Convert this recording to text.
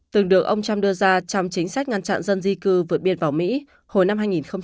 từng được ông trump đưa ra trong chính sách ngăn chặn dân di cư vượt biên vào mỹ hồi năm hai nghìn một mươi